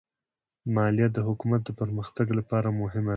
مالیه د حکومت د پرمختګ لپاره مهمه ده.